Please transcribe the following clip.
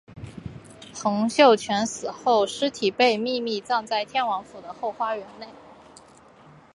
洪秀全死后尸体被秘密葬在天王府的后花园内。